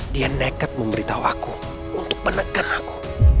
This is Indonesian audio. dia nekat memberitahu aku untuk menekan aku